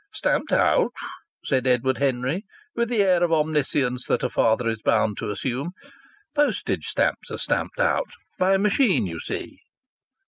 "Stamped out?" said Edward Henry, with the air of omniscience that a father is bound to assume. "Postage stamps are stamped out by a machine you see."